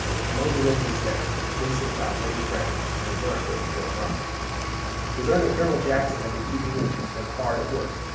Among the regiments there Vincent found many friends, and learned what was going on. He learned that Colonel Jackson had been keeping them hard at work.